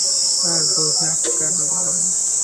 আর বুঝি আটকানো গেল না।